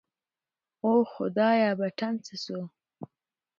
اوه خدايه بټن څه سو.